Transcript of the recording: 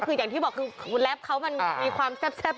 ก็คืออย่างที่บอกคือแร็ปเขามันมีความแซ่บอยู่แล้วนะ